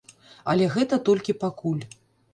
Але гэта толькі пакуль.